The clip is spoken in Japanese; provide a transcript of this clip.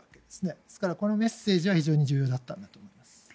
ですから、このメッセージは非常に重要だったんだと思います。